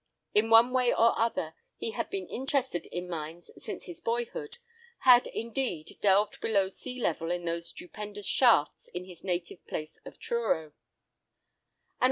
In one way or other he had been interested in mines since his boyhood; had, indeed, delved below sea level in those stupendous shafts in his native place of Truro.